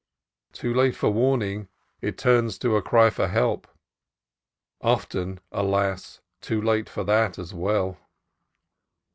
Too late for warning, it turns to a cry for help, often, alas! too late for that, as well.